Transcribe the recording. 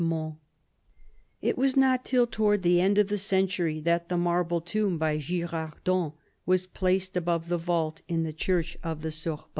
It was not till towards the end of the century that the marble tomb by Girardon was placed above the vault in the Church of the Sorbonne.